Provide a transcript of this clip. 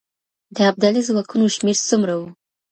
د ابدالي ځواکونو شمېر څومره و؟